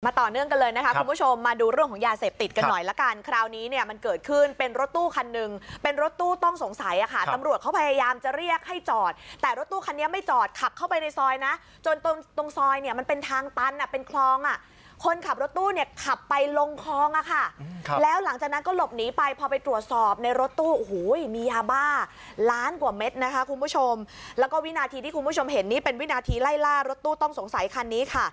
มาต่อเนื่องกันเลยนะคะคุณผู้ชมมาดูเรื่องของยาเสพติดกันหน่อยละกันคราวนี้เนี่ยมันเกิดขึ้นเป็นรถตู้คันหนึ่งเป็นรถตู้ต้องสงสัยอ่ะค่ะตำรวจเขาพยายามจะเรียกให้จอดแต่รถตู้คันนี้ไม่จอดขับเข้าไปในซอยนะจนตรงซอยเนี่ยมันเป็นทางตันอ่ะเป็นคลองอ่ะคนขับรถตู้เนี่ยขับไปลงคลองอ่ะค่ะแล้วหลังจากนั้นก